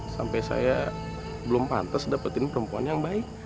sampe saya belum pantes dapetin perempuan yang baik